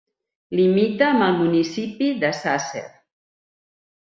Limita amb el municipi de Sàsser.